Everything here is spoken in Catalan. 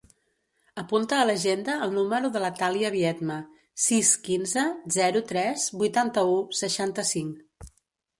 Apunta a l'agenda el número de la Thàlia Biedma: sis, quinze, zero, tres, vuitanta-u, seixanta-cinc.